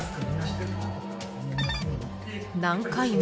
［何回も］